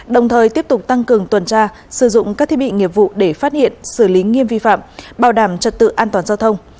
đồng thời tiếp tục tăng cường tuần tra sử dụng các thiết bị nghiệp vụ để phát hiện xử lý nghiêm vi phạm bảo đảm trật tự an toàn giao thông